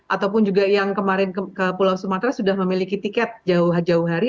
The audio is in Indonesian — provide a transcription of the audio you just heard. ataupun juga yang kemarin ke pulau sumatera sudah memiliki tiket jauh jauh hari